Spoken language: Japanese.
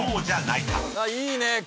いいね。